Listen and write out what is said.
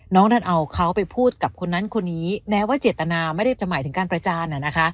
ดันเอาเขาไปพูดกับคนนั้นคนนี้แม้ว่าเจตนาไม่ได้จะหมายถึงการประจาน